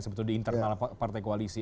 sebetulnya di internal partai koalisi